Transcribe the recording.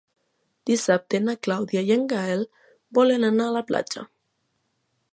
Dissabte na Clàudia i en Gaël volen anar a la platja.